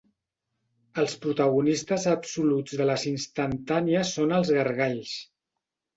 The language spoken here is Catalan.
Els protagonistes absoluts de les instantànies són els gargalls.